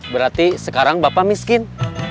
berarti sekarang bapak miskin